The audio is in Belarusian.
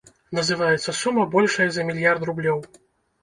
Называецца сума большая за мільярд рублёў.